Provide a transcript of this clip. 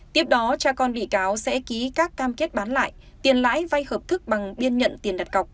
tiếp đó cha con bị cáo sẽ ký các cam kết bán lại tiền lãi vay hợp thức bằng biên nhận tiền đặt cọc